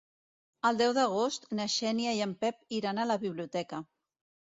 El deu d'agost na Xènia i en Pep iran a la biblioteca.